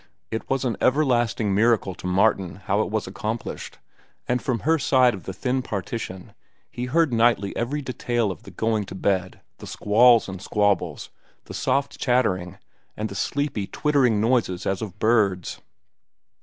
It was an everlasting miracle to Martin how it was accomplished, and from her side of the thin partition he heard nightly every detail of the going to bed, the squalls and squabbles, the soft chattering, and the sleepy, twittering noises as of birds.